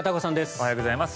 おはようございます。